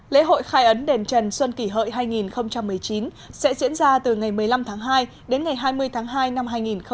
lễ hội khai ấn đền trần xuân kỷ hợi hai nghìn một mươi chín sẽ diễn ra từ ngày một mươi năm tháng hai đến ngày hai mươi tháng hai năm hai nghìn hai mươi